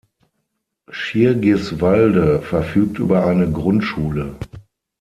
Schirgiswalde verfügt über eine Grundschule.